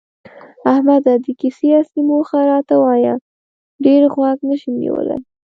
احمده! د کیسې اصلي موخه راته وایه، ډېر غوږ نشم نیولی.